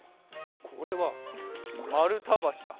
これはまるたばしだ！